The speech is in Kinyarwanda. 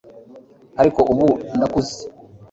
ariko ubu ndakuze